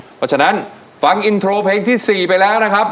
เพราะฉะนั้นฟังอินโทรเพลงที่๔ไปแล้วนะครับ